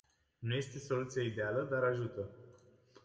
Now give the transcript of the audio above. Nu este soluția ideală, dar ajută.